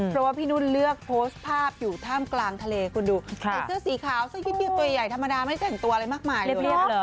เพราะว่าพี่นุ่นเลือกโพสต์ภาพอยู่ท่ามกลางทะเลคุณดูใส่เสื้อสีขาวเสื้อยืดตัวใหญ่ธรรมดาไม่แต่งตัวอะไรมากมายเลย